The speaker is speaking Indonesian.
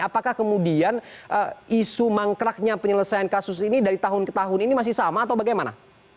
apakah kemudian isu mangkraknya penyelesaian kasus ini dari tahun ke tahun ini masih sama atau bagaimana